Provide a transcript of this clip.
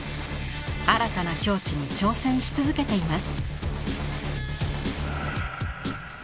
新たな境地に挑戦し続けています。